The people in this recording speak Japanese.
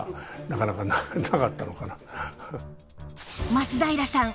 松平さん